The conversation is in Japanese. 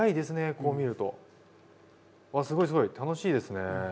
こう見ると。わすごいすごい楽しいですね。